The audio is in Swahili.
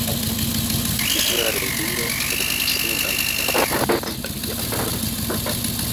kupitia redio televisheni na mitandao ya kijamii